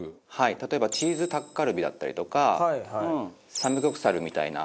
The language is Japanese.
例えばチーズタッカルビだったりとかサムギョプサルみたいな。